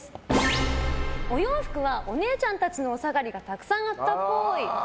お洋服はお姉ちゃんたちのおさがりがたくさんあったっぽい。